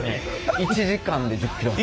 １時間で１０キロ。